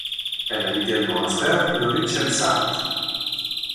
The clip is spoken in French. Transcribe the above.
Elle a également un frère nommé Cem Saat.